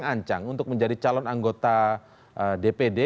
ancang untuk menjadi calon anggota dpd